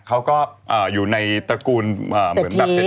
เขาก็อยู่ในตระกูลเศรษฐี